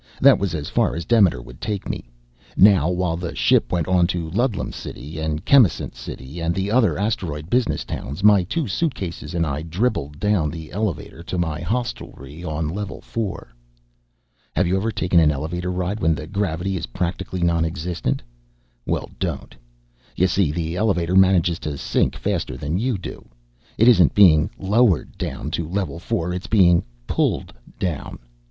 That was as far as Demeter would take me. Now, while the ship went on to Ludlum City and Chemisant City and the other asteroid business towns, my two suitcases and I dribbled down the elevator to my hostelry on level four. Have you ever taken an elevator ride when the gravity is practically non existent? Well, don't. You see, the elevator manages to sink faster than you do. It isn't being lowered down to level four, it's being pulled down.